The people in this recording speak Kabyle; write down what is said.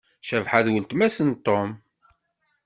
Cabḥa d weltma-s n Tom.